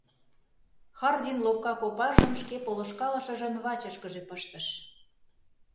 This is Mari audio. Хардин лопка копажым шке полышкалышыжын вачышкыже пыштыш.